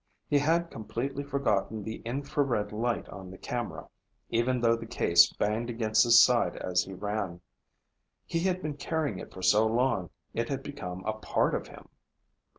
He had completely forgotten the infrared light on the camera, even though the case banged against his side as he ran. He had been carrying it for so long it had become a part of him.